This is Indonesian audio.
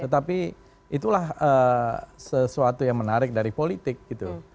tetapi itulah sesuatu yang menarik dari politik gitu